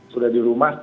sudah di rumah